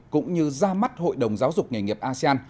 cũng như ra mắt hội đồng giáo dục nghề nghiệp asean